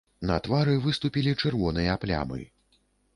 На твары выступілі чырвоныя плямы.